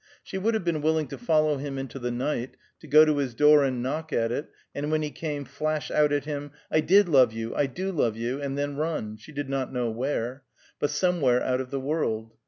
She would have been willing to follow him into the night, to go to his door, and knock at it, and when he came, flash out at him, "I did love you, I do love you," and then run, she did not know where, but somewhere out of the world.